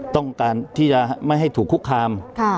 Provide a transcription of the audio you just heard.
ต้องการที่จะไม่ให้ถูกคุกคาม